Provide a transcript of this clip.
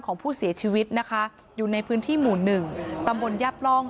ของผู้เสียชีวิตนะคะอยู่ในพื้นที่หมู่หนึ่งตำบลยับร่อง